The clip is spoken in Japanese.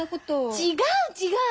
違う違う！